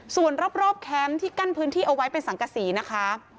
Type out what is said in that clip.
ส่วนรอบแคมป์ที่กั้นพื้นที่เอาไว้เป็นสังกษีนะคะ